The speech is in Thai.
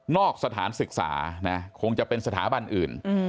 สถานศึกษานะคงจะเป็นสถาบันอื่น